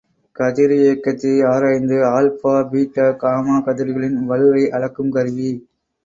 கதிரியக்கத்தை ஆராய்ந்து alpha, beta, gamma கதிர்களின் வலுவை அளக்குங் கருவி.